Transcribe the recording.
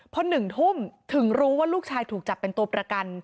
พอ๑ทุ่มถึงรู้ว่าลูกชายถูกจับเป็นตัวประกัน